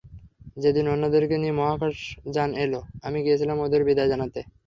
যেদিন ওদেরকে নিতে মহাকাশ যান এল, আমি গিয়েছিলাম ওদেরকে বিদায় জানাতে।